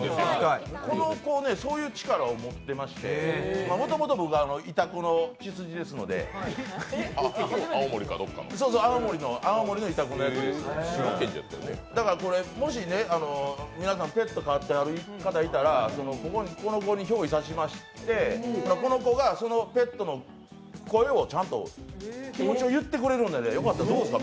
この子、そういう力を持ってましてもともと僕、青森のいたこですのでもし皆さん、ペット飼ってはる方いましたらこの子にひょう依させまして、この子がそのペットの声をちゃんと、気持ちを言ってくれるんでよかったらどうですか？